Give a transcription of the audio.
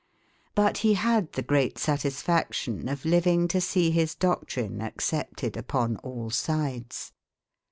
But he had the great satisfaction of living to see his doctrine accepted upon all sides.